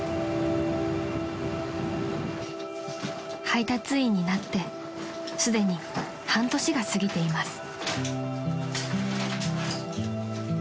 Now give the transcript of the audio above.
［配達員になってすでに半年が過ぎています］